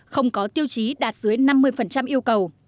không có tiêu chí đạt dưới năm mươi yêu cầu